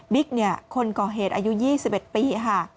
บิ๊กเนี้ยคนก่อเหตุอายุยี่สิบเอ็ดปีฮะ